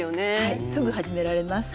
すぐ始められます。